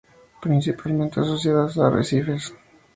Principalmente asociadas a arrecifes.